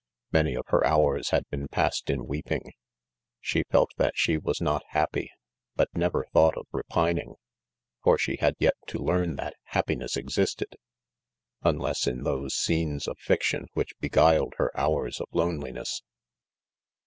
Many of her hours had been passed in weep ing 5 she felt that she was not happy, bat never thought of repining j for she had yet to learn that happiness existed,, unless in those scenes of fiction, which beguiled her hours of loneliness.